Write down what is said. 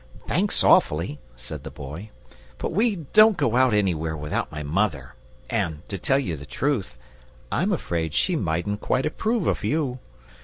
"Thanks awfully," said the Boy, "but we don't go out anywhere without my mother, and, to tell you the truth, I'm afraid she mightn't quite approve of you.